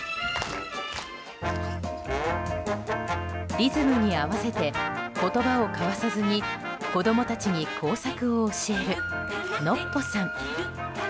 リズムに合わせて言葉を交わさずに子供たちに工作を教えるノッポさん。